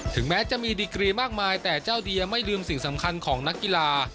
แม้จะมีดีกรีมากมายแต่เจ้าเดียไม่ลืมสิ่งสำคัญของนักกีฬา